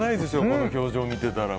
この表情を見ていたら。